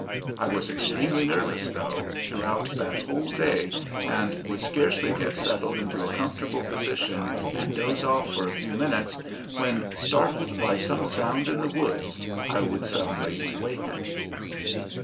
I was extremely nervous, though, throughout that whole day and would scarcely get settled into a comfortable position and doze off for a few minutes when, startled by some sound in the woods, I would suddenly waken.